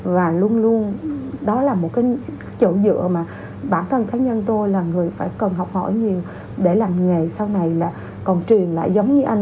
và luôn luôn đó là một cái chỗ dựa mà bản thân cá nhân tôi là người phải cần học hỏi nhiều để làm nghề sau này là còn truyền lại giống như anh